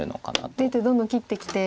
出てどんどん切ってきて。